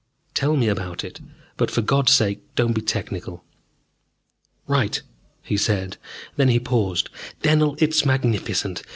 "Tell me about it, but for God's sake don't be technical." "Right," he said. Then he paused. "Dennell, it's magnificent!